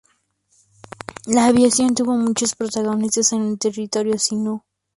La aviación tuvo muchos protagonistas en el territorio Sinú.